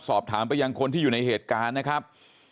สอบถามไปยังคนที่อยู่ในเหตุการณ์นะครับ